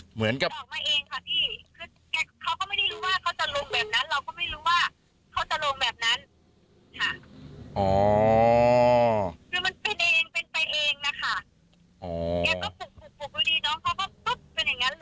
ออกมาเองค่ะพี่คือแกเขาก็ไม่ได้รู้ว่าเขาจะลงแบบนั้นเราก็ไม่รู้ว่าเขาจะลงแบบนั้นค่ะ